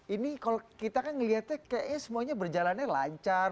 ini kalau kita kan melihatnya semuanya berjalannya lancar